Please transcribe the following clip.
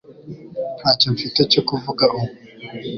Ntacyo mfite cyo kuvuga ubu